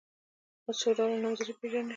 څو ډوله نومځري پيژنئ.